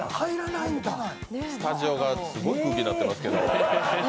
スタジオがすごい空気になってますけど。